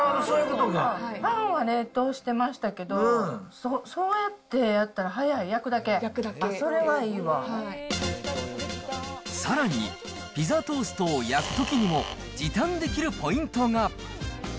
パンは冷凍してましたけど、そうやってやったら速い、焼くださらに、ピザトーストを焼くときにも時短できるポイントが。